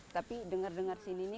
tapi dengar dengar sini